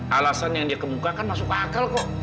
alasan yang dia kemukakan masuk akal kok